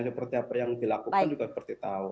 seperti apa yang dilakukan juga seperti tahu